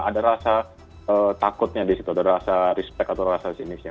ada rasa takutnya di situ ada rasa respect atau rasa sinisnya